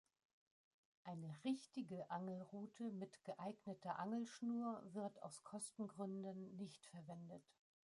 Eine „richtige“ Angelrute mit geeigneter Angelschnur wird aus Kostengründen nicht verwendet.